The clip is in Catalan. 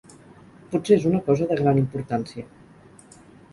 Potser és una cosa de gran importància.